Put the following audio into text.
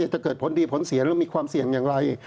ถ้าเกิดผลดีผลเสียแล้วมีความเสี่ยงอย่างไร